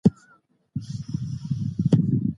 د دولتونو د پوخوالي مرحله کله راځي؟